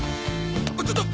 ⁉ちょっと！